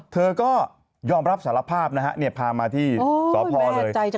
เธอก็ยอมรับสารภาพนะฮะเนี่ยพามาที่สอบพ่อเลย